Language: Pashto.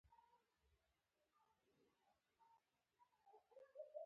وایسرا د انګریز استازي نصبولو تر څنګ نور پلانونه هم لري.